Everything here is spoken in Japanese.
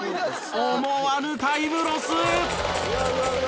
思わぬタイムロス！